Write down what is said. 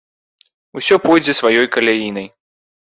Усё пойдзе сваёй каляінай.